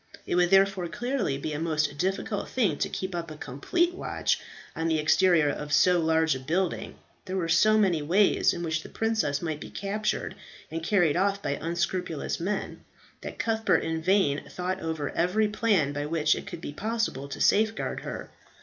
It would therefore clearly be a most difficult thing to keep up a complete watch on the exterior of so large a building. There were so many ways in which the princess might be captured and carried off by unscrupulous men, that Cuthbert in vain thought over every plan by which it could be possible to safeguard her.